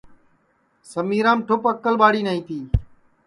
سمیرام ٹُھپ اکل ٻاڑِ نائی تی